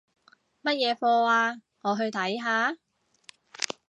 乜嘢課吖？我去睇下